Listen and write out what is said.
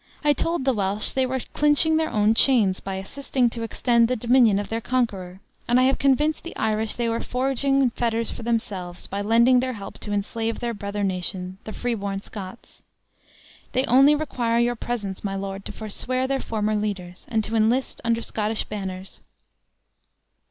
I told the Welsh they were clinching their own chains by assisting to extend the dominion of their conqueror; and I have convinced the Irish they were forging fetters for themselves by lending their help to enslave their brother nation, the free born Scots. They only require your presence, my lord, to forswear their former leaders, and to enlist under Scottish banners."